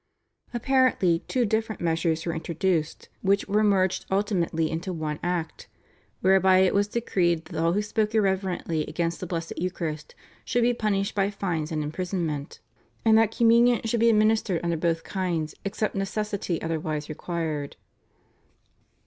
Apparently two different measures were introduced, which were merged ultimately into one Act, whereby it was decreed that all who spoke irreverently against the Blessed Eucharist should be punished by fines and imprisonment, and that Communion should be administered under both kinds except necessity otherwise required.